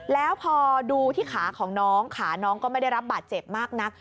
แล้วพอดูที่ขาของน้องขาน้องก็ไม่ได้รับบาดเจ็บมากนัก